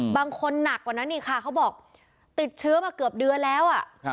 บางคนหนักกว่านั้นอีกค่ะเขาบอกติดเชื้อมาเกือบเดือนแล้ว